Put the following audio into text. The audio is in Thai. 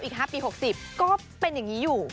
อีกครับปี๖๐ก็เป็นอย่างนี้อยู่